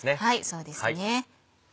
そうですね。